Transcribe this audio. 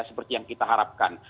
seperti yang kita harapkan